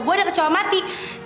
gue ada kecoh mati